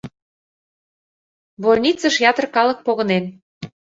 Больницыш ятыр калык погынен.